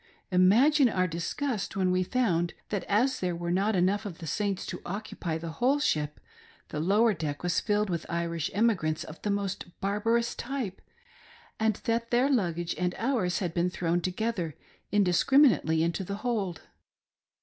Imagine our disgust when we found that as there were not enough of the Saints to occupy the whole ship, the lower deck was filled with Irish emigrants of the most barbar ous type, and that their luggage and ours had been thrown together indiscriminately into the hold.